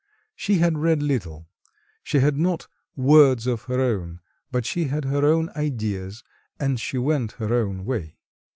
She had read little; she had not "words of her own," but she had her own ideas, and she went her own way.